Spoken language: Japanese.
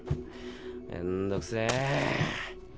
めんどくせぇ